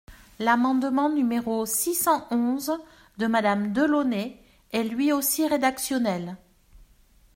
L’amendement numéro six cent onze, de Madame Delaunay, est lui aussi rédactionnel.